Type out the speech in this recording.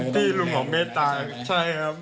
ที่ลุงของเมตตาใช่ครับ